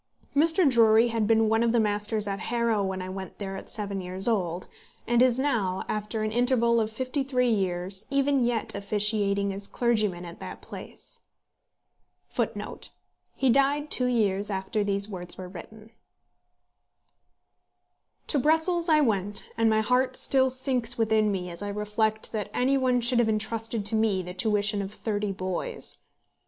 Mr. Drury had been one of the masters at Harrow when I went there at seven years old, and is now, after an interval of fifty three years, even yet officiating as clergyman at that place. To Brussels I went, and my heart still sinks within me as I reflect that any one should have intrusted to me the tuition of thirty boys.